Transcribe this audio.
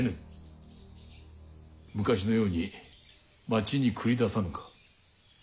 昔のように町に繰り出さぬか？